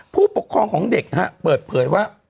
ผู้ปกครองของเด็กเปิดเผยว่า